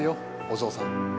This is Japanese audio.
お嬢さん。